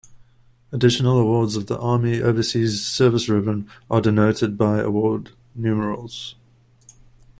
Additional awards of the Army Overseas Service Ribbon are denoted by award numerals.